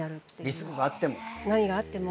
リスクがあっても。